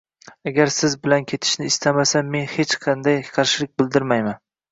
Agar siz bilan ketishni istasa men hech qanday qarshilik bildirmayman.